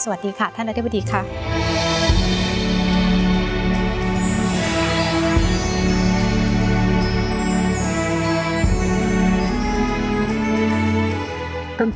ซึ่งเมื่อกี้เพราะว่าพิธีมณีที่ทั้งหมด